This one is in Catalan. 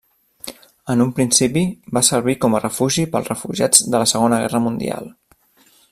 En un principi, va servir com a refugi pels refugiats de la Segona Guerra Mundial.